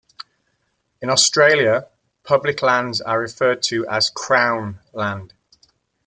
In Australia, public lands are referred to as Crown land.